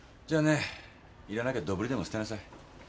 じゃあねいらなきゃどぶにでも捨てなさい。